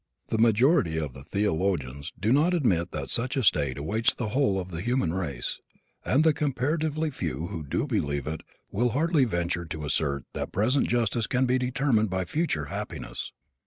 The majority of the theologians do not admit that such a state awaits the whole of the human race, and the comparatively few who do believe it will hardly venture to assert that present justice can be determined by future happiness.